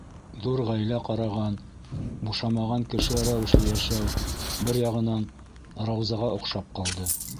Ҙур ғаилә ҡараған, бушамаған кеше рәүешле йәшәү, бер яғынан, Раузаға оҡшап ҡалды.